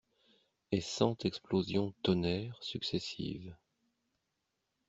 Et cent explosions tonnèrent, successives.